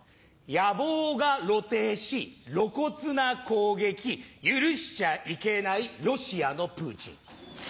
野望が露呈し露骨な攻撃許しちゃいけない露西亜のプーチン。